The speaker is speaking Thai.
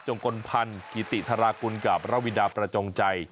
กลพันธ์กิติธารากุลกับระวิดาประจงใจ